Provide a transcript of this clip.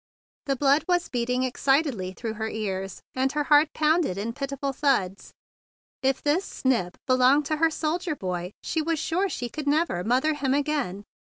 The blood was beating excitedly through her ears, and her heart pounded in pitiful thuds. If this "snip" be¬ longed to her soldier boy, she was sure she could never mother him again.